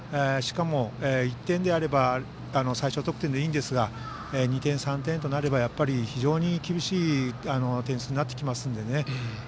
しかも１点であれば最少得点でいいんですが２点、３点となれば非常に厳しい点数になってきますのでね。